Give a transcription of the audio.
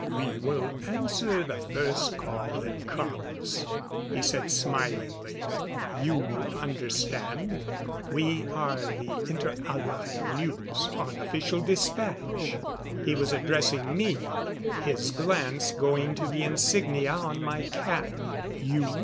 "We will answer the first call that comes," he said smilingly. "You understand? We are the Inter Allied News on Official Dispatch." He was addressing me, his glance going to the insignia on my cap.